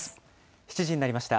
７時になりました。